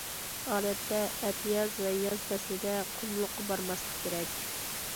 ئادەتتە ئەتىياز ۋە ياز پەسلىدە قۇملۇققا بارماسلىق كېرەك.